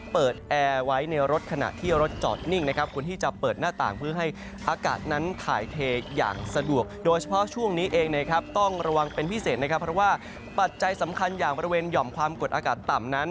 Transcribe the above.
ประวังเป็นพิเศษนะครับเพราะว่าปัจจัยสำคัญอย่างบริเวณหย่อมความกดอากาศต่ำนั้น